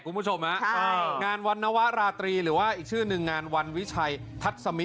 คุณผู้ชมฮะใช่งานวันนวราตรีหรือว่าอีกชื่อหนึ่งงานวันวิชัยทัศมิ